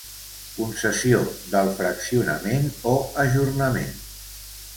Concessió del fraccionament o ajornament.